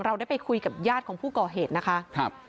เราได้ไปคุยกับญาติของผู้ก่อเหตุนะคะครับ